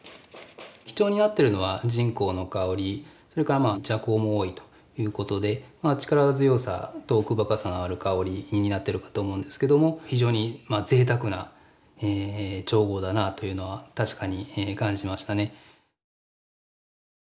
基調になってるのは沈香の香りそれから麝香も多いということで力強さと奥深さのある香りになってるかと思うんですけども非常にぜいたくな調合だなというのは確かに感じましたね。